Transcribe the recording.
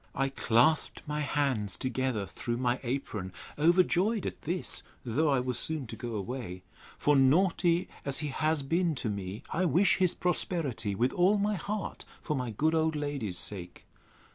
I clasped my hands together through my apron, overjoyed at this, though I was soon to go away: For, naughty as he has been to me, I wish his prosperity with all my heart, for my good old lady's sake.